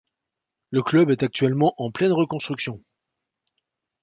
Le club est actuellement en pleine reconstruction.